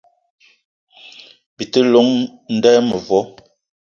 Bi te llong m'nda mevo